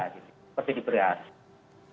seperti di berasal